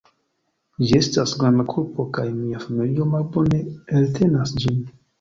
Ĝi estas granda kulpo, kaj mia familio malbone eltenas ĝin.